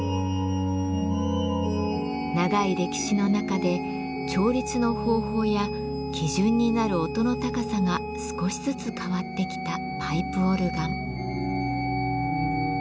長い歴史の中で調律の方法や基準になる音の高さが少しずつ変わってきたパイプオルガン。